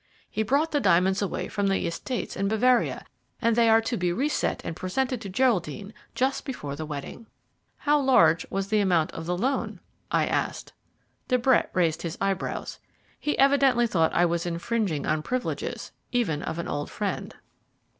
He brought the diamonds away from the estates in Bavaria, and they are to be reset and presented to Geraldine just before the wedding." "How large was the amount of the loan?" I asked. De Brett raised his eyebrows. He evidently thought that I was infringing on the privileges even of an old friend.